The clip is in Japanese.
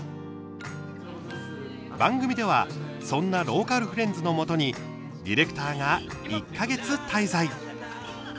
番組ではそんなローカルフレンズのもとにディレクターが１か月滞在。